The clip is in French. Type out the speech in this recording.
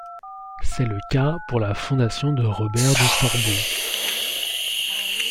C’est le cas pour la fondation de Robert de Sorbon.